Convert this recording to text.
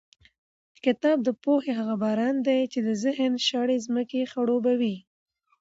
کتاب د پوهې هغه باران دی چې د ذهن شاړې ځمکې خړوبوي.